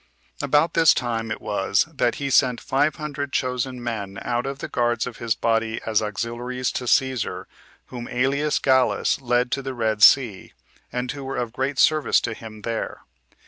3. About this time it was that he sent five hundred chosen men out of the guards of his body as auxiliaries to Cæsar, whom Aelius Gallus 16 led to the Red Sea, and who were of great service to him there.